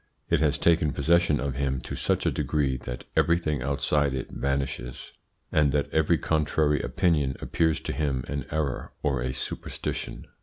It has taken possession of him to such a degree that everything outside it vanishes, and that every contrary opinion appears to him an error or a superstition.